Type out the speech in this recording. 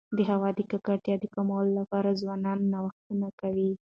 د هوا د ککړتیا د کمولو لپاره ځوانان نوښتونه کوي.